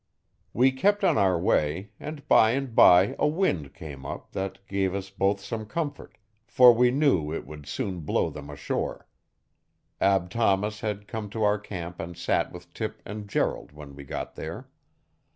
We kept on our way and by and by a wind came up that gave us both some comfort, for we knew it would soon blow them ashore. Ab Thomas had come to our camp and sat with Tip and Gerald when we got there.